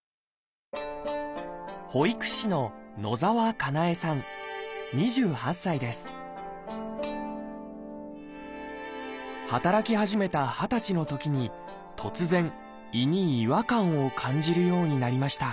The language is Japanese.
保育士の働き始めた二十歳のときに突然胃に違和感を感じるようになりました